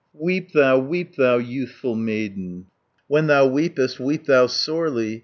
"Weep thou, weep thou, youthful maiden, When thou weepest, weep thou sorely.